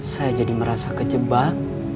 saya jadi merasa kecebak